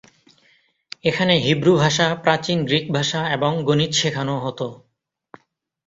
এখানে হিব্রু ভাষা, প্রাচীন গ্রিক ভাষা এবং গণিত শেখানো হত।